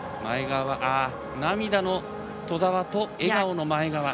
涙の兎澤と笑顔の前川。